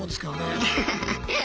ハハハッ。